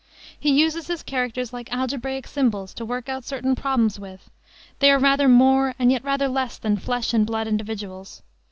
He uses his characters like algebraic symbols to work out certain problems with: they are rather more and yet rather less than flesh and blood individuals.